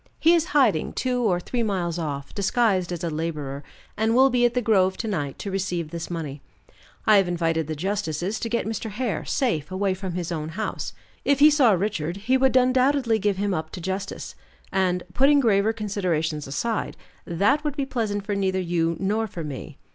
He is in hiding two or three miles off, disguised as a laborer, and will be at the grove to night to receive this money. I have invited the justices to get Mr. Hare safe away from his own house. If he saw Richard, he would undoubtedly give him up to justice, and putting graver considerations aside that would be pleasant for neither you nor for me.